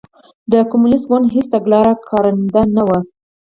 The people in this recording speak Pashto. د کمونېست ګوند هېڅ تګلاره کارنده نه وه.